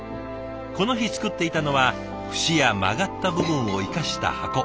この日作っていたのは節や曲がった部分を生かした箱。